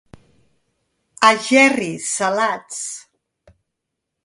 A Gerri, salats.